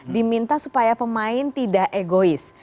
diminta supaya pemain tidak egois